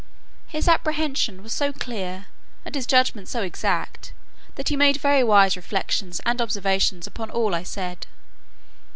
His apprehension was so clear, and his judgment so exact, that he made very wise reflections and observations upon all I said.